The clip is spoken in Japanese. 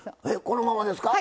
このままですか？